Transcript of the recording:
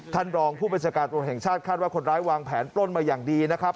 ท่านรองผู้บัญชาการตรวจแห่งชาติคาดว่าคนร้ายวางแผนปล้นมาอย่างดีนะครับ